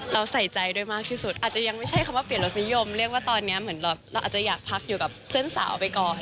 เราอาจจะอยากพักอยู่กับเพื่อนสาวไปก่อน